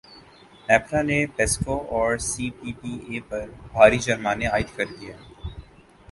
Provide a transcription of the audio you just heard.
نیپرا نے پیسکو اور سی پی پی اے پر بھاری جرمانے عائد کردیے